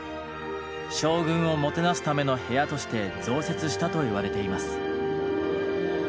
将軍をもてなすための部屋として増設したといわれています。